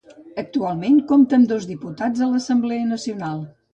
Actualment compta amb dos diputats a l'Assemblea nacional.